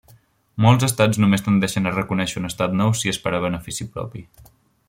Molts estats només tendeixen a reconèixer un estat nou si és per a benefici propi.